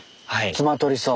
ツマトリソウ。